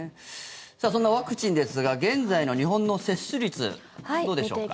そんなワクチンですが現在の日本の接種率どうでしょうか？